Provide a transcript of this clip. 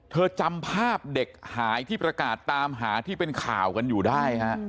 จำภาพเด็กหายที่ประกาศตามหาที่เป็นข่าวกันอยู่ได้ฮะ